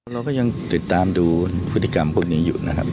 เราก็ยังติดตามดูพฤติกรรมพวกนี้อยู่นะครับ